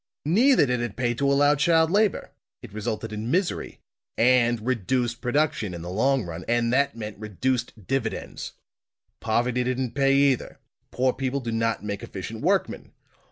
"Neither did it pay to allow child labor; it resulted in misery and reduced production, in the long run, and that meant reduced dividends. Poverty didn't pay, either; poor people do not make efficient workmen.